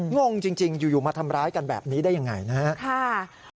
งงจริงอยู่มาทำร้ายกันแบบนี้ได้ยังไงนะครับ